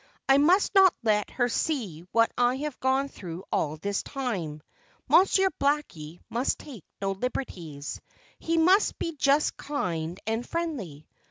"I must not let her see what I have gone through all this time; Monsieur Blackie must take no liberties he must be just kind and friendly."